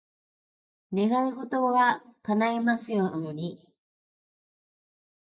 願い事が叶いますように。